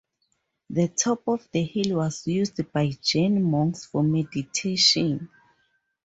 The top of the hill was used by Jain monks for meditation.